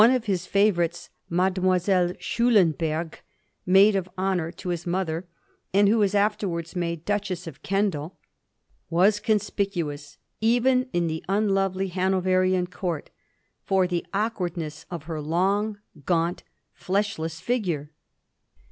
9 of his favourites, Mademoiselle Schulemberg, Maid of Honour to his mother, and who was afterwards made Duchess of Kendal, was conspicuous, even in the unlovely Hanoverian court, for the awkwardness of her long, gaunt, fleshless figure.